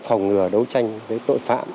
phòng ngừa đấu tranh với tội phạm